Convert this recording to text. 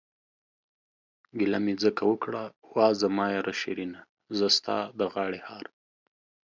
گيله مې ځکه اوکړه وا زما ياره شيرينه، زه ستا د غاړې هار...